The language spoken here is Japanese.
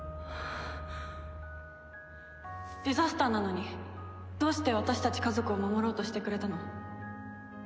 デザスターなのにどうして私たち家族を守ろうとしてくれたの？